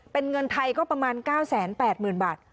เป็นเงินไทยก็ประมาณ๙๘๐๐๐บาท